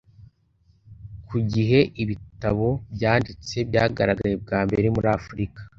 ku gihe ibitabo byanditse byagaragaye bwa mbere muri afrika